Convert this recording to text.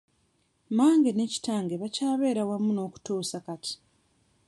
Mange ne kitange bakyabeera wamu n'okutuusa kati.